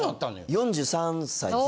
４３歳です。